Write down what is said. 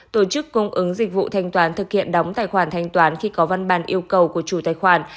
tổ chức cung ứng dịch vụ thanh toán thực hiện đóng tài khoản thanh toán khi có văn bản yêu cầu của chủ tài khoản